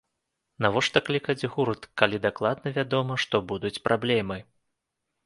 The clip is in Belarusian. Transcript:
Навошта клікаць гурт, калі дакладна вядома, што будуць праблемы?